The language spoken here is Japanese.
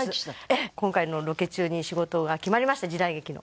今回のロケ中に仕事が決まりまして時代劇の。